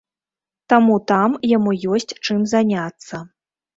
Таму там яму ёсць чым заняцца.